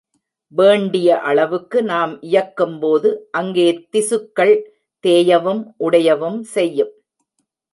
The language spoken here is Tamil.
வேண்டிய அளவுக்கு நாம் இயக்கும்போது, அங்கே திசுக்கள் தேயவும் உடையவும் செய்யும்.